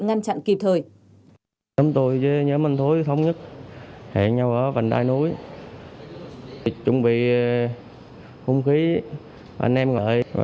ngăn chặn kịp thời